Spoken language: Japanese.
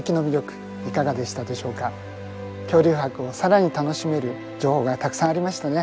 恐竜博を更に楽しめる情報がたくさんありましたね。